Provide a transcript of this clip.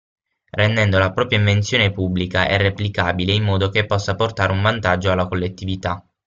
Rendendo la propria invenzione pubblica e replicabile in modo che possa portare un vantaggio alla collettività.